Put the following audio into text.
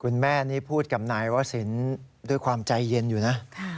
คุณแม่นี่พูดกับนายวศิลป์ด้วยความใจเย็นอยู่นะ